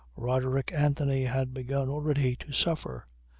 Roderick Anthony had begun already to suffer.